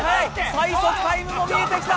最速タイムも見えてきた！